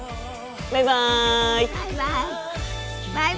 バイバイ！